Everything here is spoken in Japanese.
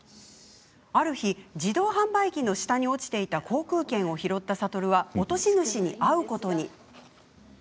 ある日、自動販売機の下に落ちていた航空券を拾った諭は落とし主に会うことに。